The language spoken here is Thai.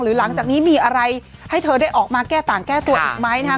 หลังจากนี้มีอะไรให้เธอได้ออกมาแก้ต่างแก้ตัวอีกไหมนะครับ